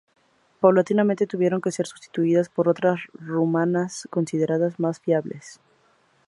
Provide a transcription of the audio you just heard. Paulatinamente, tuvieron que ser sustituidas por otras rumanas, consideradas más fiables.